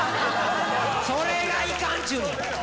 それがいかんちゅうねん。